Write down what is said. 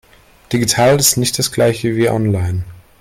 Digital ist nicht das Gleiche wie online.